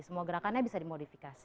semua gerakannya bisa dimodifikasi